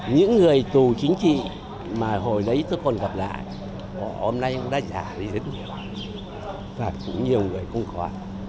những người tù chính trị mà hồi đấy tôi còn gặp lại họ hôm nay cũng đã giả đi rất nhiều và cũng nhiều người cũng khó